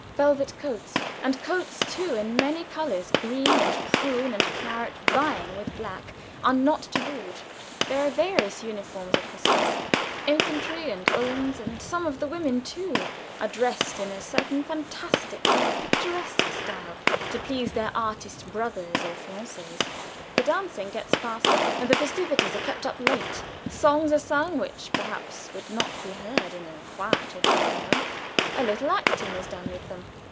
Velvet coats, and coats, too, in many colors, green and prune and claret, vying with black, are not tabooed. There are various uniforms of hussars, infantry, and uhlans, and some of the women, too, are dressed in a certain fantastically picturesque style to please their artist brothers or fiancés. The dancing gets faster, and the festivities are kept up late. Songs are sung which perhaps would not be heard in a quiet drawing room; a little acting is done with them.